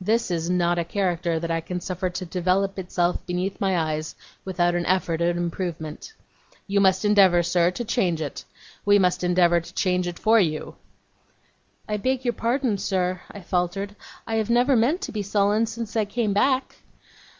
This is not a character that I can suffer to develop itself beneath my eyes without an effort at improvement. You must endeavour, sir, to change it. We must endeavour to change it for you.' 'I beg your pardon, sir,' I faltered. 'I have never meant to be sullen since I came back.